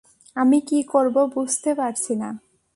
আমি কী করব বুঝতে পারছি না!